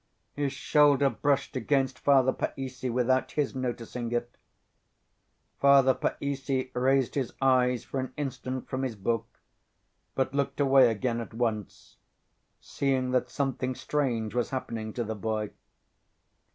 His shoulder brushed against Father Païssy without his noticing it. Father Païssy raised his eyes for an instant from his book, but looked away again at once, seeing that something strange was happening to the boy.